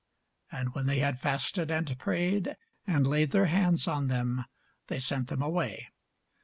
And when they had fasted and prayed, and laid their hands on them, they sent them away.